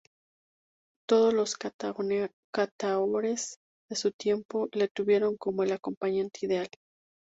Todos los cantaores de su tiempo le tuvieron como el acompañante ideal.